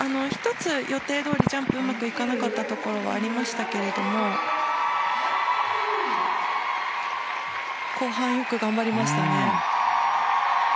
１つ予定どおりジャンプがうまくいかなかったところはありましたが後半、よく頑張りましたね。